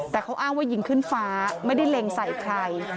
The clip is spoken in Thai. แต่เขาอ้างว่ายิงขึ้นฟ้าไม่ได้เล็งใส่ใคร